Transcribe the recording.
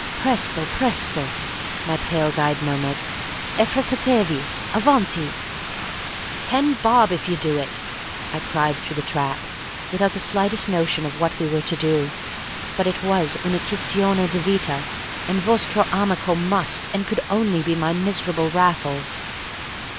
"Presto, presto," my pale guide murmured. "Affretatevi—avanti!" "Ten bob if you do it," I cried through the trap, without the slightest notion of what we were to do. But it was "una quistione di vita," and "vostro amico" must and could only be my miserable Raffles.